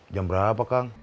jam berapa kang